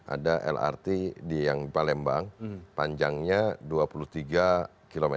ada lrt di yang palembang panjangnya dua puluh tiga km